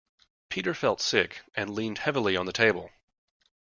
Peter felt sick, and leaned heavily on the table